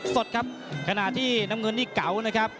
สดครับขณะที่น้ำเงินนี่เก่านะครับ